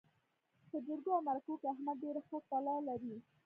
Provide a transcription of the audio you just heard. په جرګو او مرکو کې احمد ډېره ښه خوله لري.